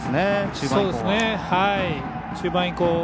中盤以降は。